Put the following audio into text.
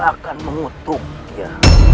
akan mengutuk dia